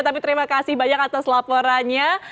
tapi terima kasih banyak atas laporannya